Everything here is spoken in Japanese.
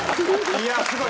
いやあすごい。